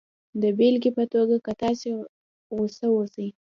د بېلګې په توګه که تاسې غسه اوسئ